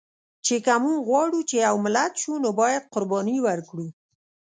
چې که مونږ غواړو چې یو ملت شو، نو باید قرباني ورکړو